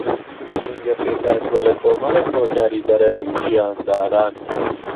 ژینگە پێکھاتووە لە کۆمەڵێک ھۆکاری دەرەکی و گیانداران